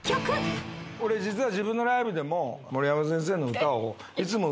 俺実は。